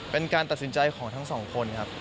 เป็นการตัดสินใจของทั้งสองคนครับ